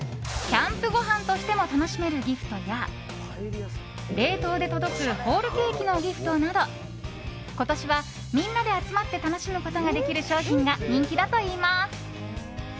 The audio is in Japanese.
キャンプごはんとしても楽しめるギフトや冷凍で届くホールケーキのギフトなど今年は、みんなで集まって楽しむことができる商品が人気だといいます。